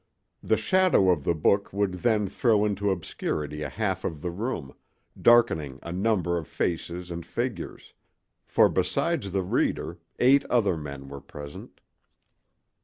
The shadow of the book would then throw into obscurity a half of the room, darkening a number of faces and figures; for besides the reader, eight other men were present.